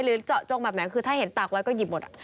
เจาะจงแบบไหนคือถ้าเห็นตากไว้ก็หยิบหมด